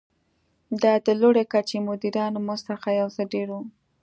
دا د لوړې کچې مدیرانو مزد څخه یو څه ډېر و.